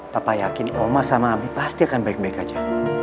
papa yakin allah sama abi pasti akan baik baik aja